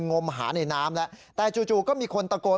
มหาในน้ำแล้วแต่จู่ก็มีคนตะโกน